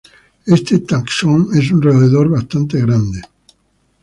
Este taxón es un roedor bastante grande.